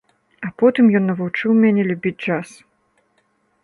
А потым ён навучыў мяне любіць джаз.